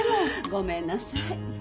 ごめんなさい。